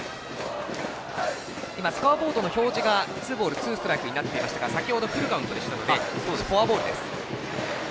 スコアボードの表示がツーボールツーストライクになっていましたが先ほど、フルカウントでしたのでフォアボールです。